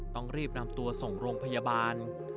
ต้องรีบนำตัวส่งโรงพยาบาล